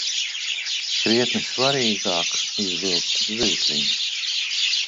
Krietni svarīgāk izvilkt zivtiņu.